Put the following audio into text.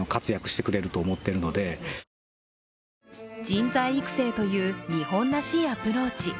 人材育成という日本らしいアプローチ。